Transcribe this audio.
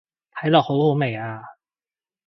睇落好好味啊